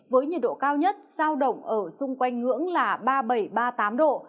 với nhiệt độ cao nhất giao động ở xung quanh ngưỡng là ba mươi bảy ba mươi tám độ